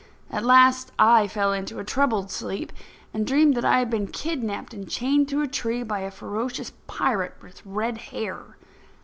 At last, I fell into a troubled sleep, and dreamed that I had been kidnapped and chained to a tree by a ferocious pirate with red hair.